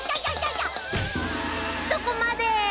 そこまで！